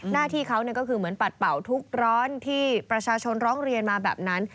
หน้าที่เขาก็คือเหมือนปัดเป่าทุกร้อนที่ประชาชนร้องเรียนมาแบบนั้น